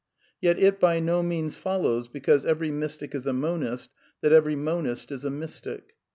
Yet it by no means follows because every mystic is a monist, that every monist is a mystic.